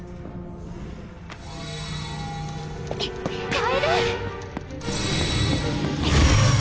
楓！